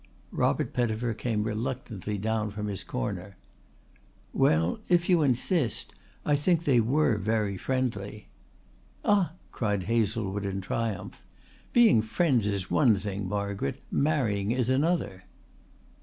Robert Pettifer came reluctantly down from his corner. "Well, if you insist, I think they were very friendly." "Ah!" cried Hazlewood in triumph. "Being friends is one thing, Margaret. Marrying is another."